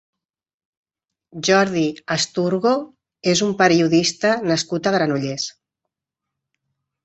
Jordi Asturgó és un periodista nascut a Granollers.